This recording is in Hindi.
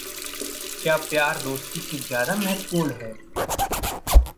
क्या प्यार दोस्ती से ज़्यादा महत्त्वपूर्ण है?